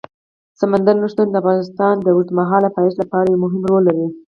سمندر نه شتون د افغانستان د اوږدمهاله پایښت لپاره یو مهم رول لري.